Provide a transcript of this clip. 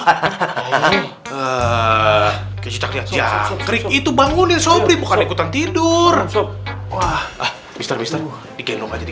hahaha kita lihat ya itu bangunin sobrimu kan ikutan tidur wah mister mister dikendong aja di